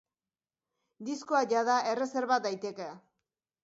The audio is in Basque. Diskoa jada erreserba daiteke.